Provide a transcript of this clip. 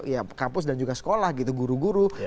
ya kampus dan juga sekolah gitu guru guru dosen dosen gitu